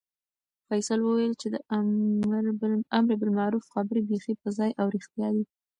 فیصل وویل چې د امربالمعروف خبرې بیخي په ځای او رښتیا دي.